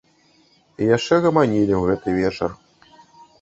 І яшчэ гаманілі ў гэты вечар.